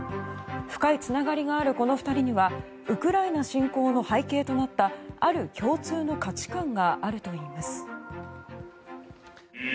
深いつながりがあるこの２人にはウクライナ侵攻の背景となったある共通の価値観があるといいます。